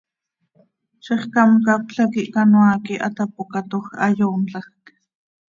Zixcám cacöla quih canoaa quih hatapócatoj, hayoomlajc.